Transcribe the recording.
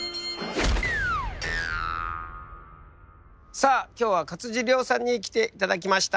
さあ今日は勝地涼さんに来ていただきました。